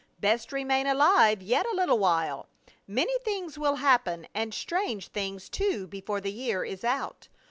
Best remain alive yet a little while ; many things will happen, and strange things, too, before the year is out.